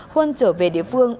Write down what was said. huân trở về địa phương